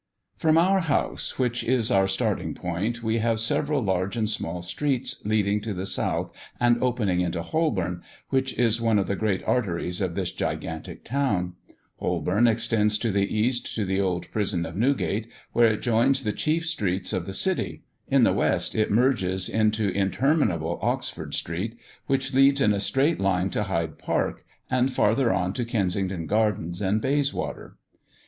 From our house, which is our starting point, we have several large and small streets leading to the south and opening into Holborn, which is one of the great arteries of this gigantic town. Holborn extends to the east to the old prison of Newgate, where it joins the chief streets of the city; in the west it merges into interminable Oxford street, which leads in a straight line to Hyde Park, and farther on to Kensington Gardens and Bayswater.